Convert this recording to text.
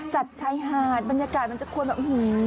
จัดชายหาดบรรยากาศมันจะควรแบบ